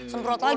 semprot lagi nih